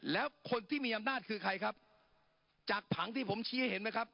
แล้วคนที่มีอำนาจคือใครครับจากผังที่ผมชี้ให้เห็นไหมครับ